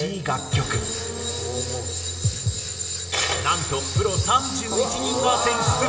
なんとプロ３１人が選出！